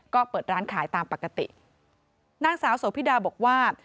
ก็เปิดร้านขายตามปกตินางสาวโสพิดาบอกว่า